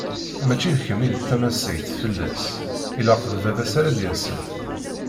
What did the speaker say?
Mačči d kemm i d tamassayt fell-as, ilaq d baba-s ara d-yasen.